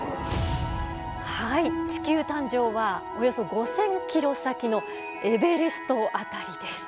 はい地球誕生はおよそ５，０００キロ先のエベレスト辺りです。